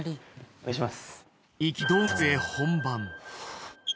お願いします。